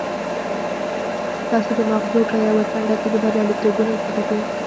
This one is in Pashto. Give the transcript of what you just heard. ستاسې د ماغزو په يوه څنډه کې د برياليتوبونو زړي دي.